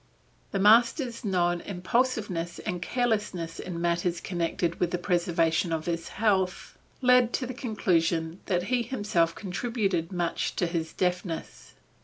The master's known impulsiveness and carelessness in matters connected with the preservation of his health, lead to the conclusion that he himself contributed much to his deafness.